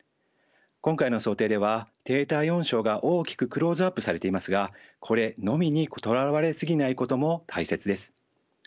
今回の想定では低体温症が大きくクローズアップされていますがこれのみにとらわれすぎないことも大切です。